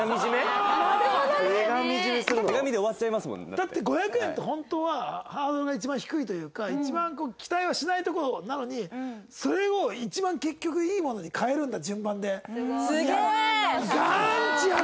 だって５００円って本当はハードルが一番低いというか一番期待はしないところなのにそれを一番結局いいものに変えるんだ順番で。